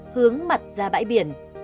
hướng mặt ra bãi biển